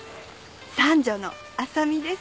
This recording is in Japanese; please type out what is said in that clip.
三女の麻美です。